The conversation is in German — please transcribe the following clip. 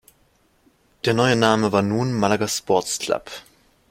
Der neue Name war nun "Málaga Sports Club".